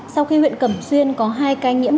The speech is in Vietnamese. sau khi huyện cẩm xuyên có hai ca nhiễm